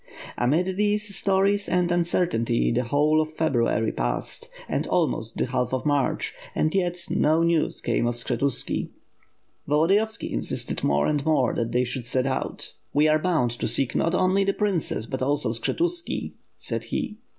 Amid these stories and uncertainty, the whole of February passed and almost the half of March; and yet, no news came of Skshetuski. Volodiyovski insisted more and more that they should set out. 6i8 ^iTH FIRE AND SWORD, "We are bound to seek not only the princess, but also Skshetuski/' said he.